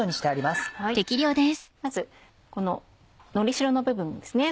まずこののりしろの部分ですね。